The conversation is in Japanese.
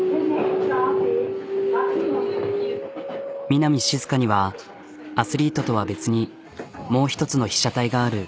南しずかにはアスリートとは別にもう１つの被写体がある。